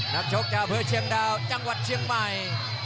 นำโชคเจ้าเพื่อเชียงดาวจังหวัดเชียงใหม่